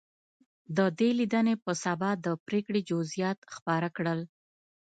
د دې لیدنې په سبا د پرېکړې جزییات خپاره کړل.